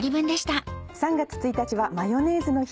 ３月１日はマヨネーズの日。